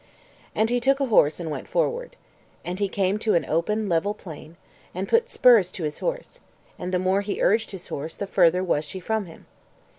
And he took a horse and went forward. And he came to an open, level plain, and put spurs to his horse; and the more he urged his horse, the further was she from him.